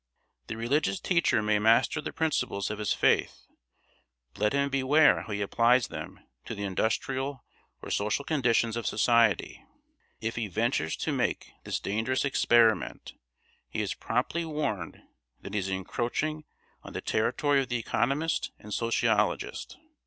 The religious teacher may master the principles of his faith, but let him beware how he applies them to the industrial or social conditions of society. If he ventures to make this dangerous experiment, he is promptly warned that he is encroaching on the territory of the economist and sociologist.